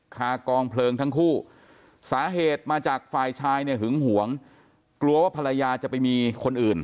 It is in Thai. คากองเพลิงทั้งคู่สาเหตุมาจากฝ่ายชายเนี่ยหึงหวงกลัวว่าภรรยาจะไปมีคนอื่น